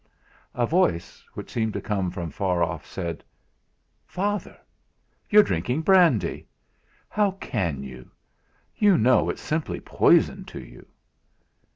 A voice which seemed to come from far off, said: "Father! You're drinking brandy! How can you you know it's simple poison to you!"